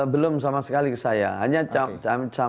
belum sama sekali saya